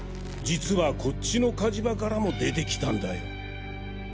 実はこっちの火事場からも出てきたんだよ。